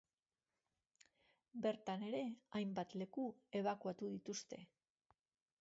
Bertan ere hainbat leku ebakuatu dituzte.